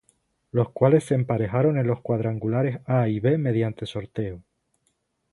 Los cuales se emparejaron en los cuadrangulares A y B mediante sorteo.